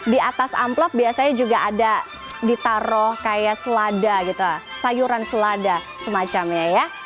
di atas amplop biasanya juga ada ditaruh kayak selada gitu sayuran selada semacamnya ya